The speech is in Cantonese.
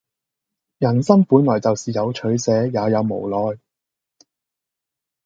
人生本來就是有取捨、也有無奈